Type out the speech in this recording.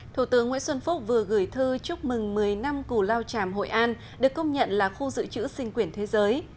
thủ tướng ngoại xuân phúc vừa gửi thư chúc mừng một mươi năm cù lao chàm hội an được công nhận là khu dự trữ sinh quyền thế giới